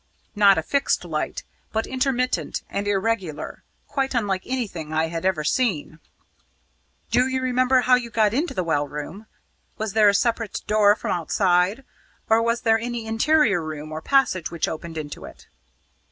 Not a fixed light, but intermittent and irregular quite unlike anything I had ever seen." "Do you remember how you got into the well room? Was there a separate door from outside, or was there any interior room or passage which opened into it?"